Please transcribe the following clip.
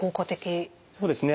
そうですね